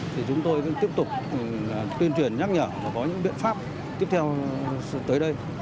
thì chúng tôi cũng tiếp tục tuyên truyền nhắc nhở và có những biện pháp tiếp theo tới đây